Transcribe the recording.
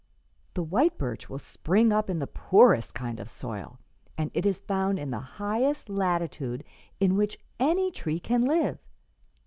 The white birch will spring up in the poorest kind of soil, and it is found in the highest latitude in which any tree can live.